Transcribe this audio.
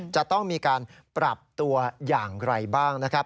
จะต้องมีการปรับตัวอย่างไรบ้างนะครับ